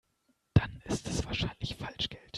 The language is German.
Dann ist es wahrscheinlich Falschgeld.